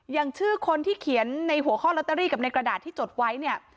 อย่างชื่อคนที่เขียนในหัวข้อลอตเตอรี่กับในกระดาษที่จดไว้เนี่ย